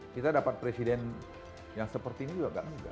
kita dapat presiden yang seperti ini juga gak mudah